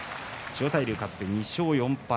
千代大龍、勝って、２勝４敗。